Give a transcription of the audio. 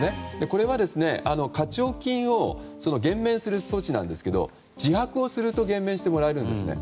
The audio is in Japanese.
これは課徴金を減免する措置ですが自白をすると減免してもらえるんですね。